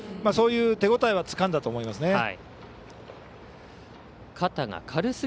そういうてごたえはつかんだと思いますね。